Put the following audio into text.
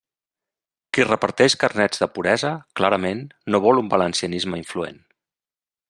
Qui reparteix carnets de puresa, clarament, no vol un valencianisme influent.